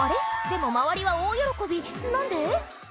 でも周りは大喜び何で？